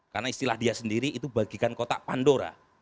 karena istilah dia sendiri itu bagikan kotak pandora